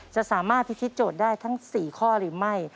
จะสามารถพิธีโจทย์ได้ทั้ง๔ข้อหรือไม่